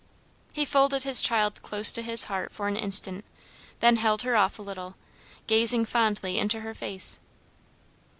He folded his child close to his heart for an instant then held her off a little, gazing fondly into her face.